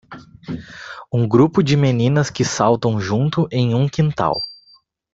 Um grupo de meninas que saltam junto em um quintal.